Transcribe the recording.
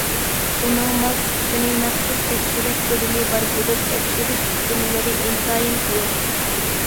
ئۇنىڭ مال سۈپىتىنى مەخسۇس تەكشۈرۈش بۆلۈمى بار بولۇپ، تەكشۈرۈش ئۈسكۈنىلىرى ئىنتايىن تولۇق.